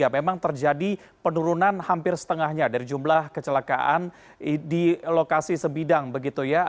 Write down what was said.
memang terjadi penurunan hampir setengahnya dari jumlah kecelakaan di lokasi sebidang begitu ya